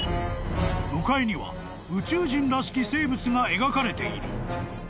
［向かいには宇宙人らしき生物が描かれている］